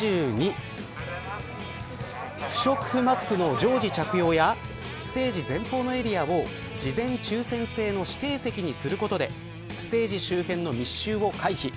不織布マスクの常時着用やステージ前方のエリアを事前抽選制の指定席にすることでステージ周辺の密集を回避。